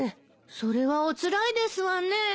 それはおつらいですわねえ。